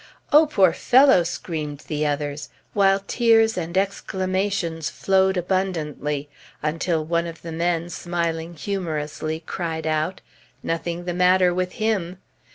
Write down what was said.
"Oh, poor fellow!" screamed the others, while tears and exclamations flowed abundantly, until one of the men, smiling humorously, cried out, "Nothing the matter with him!"